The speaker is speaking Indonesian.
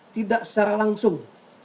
tidak secara langsung